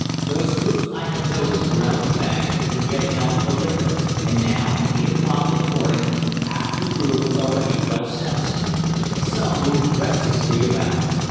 Those groups I had noticed around the bags had been getting out the liquor, and now at eight o'clock in the morning half the crew were already well soused. Some moved restlessly about.